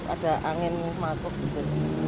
ada angin masuk gitu